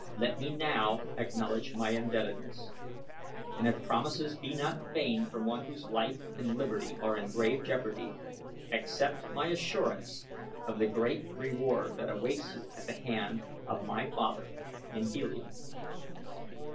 Let me now acknowledge my indebtedness; and if promises be not vain from one whose life and liberty are in grave jeopardy, accept my assurance of the great reward that awaits you at the hand of my father in Helium."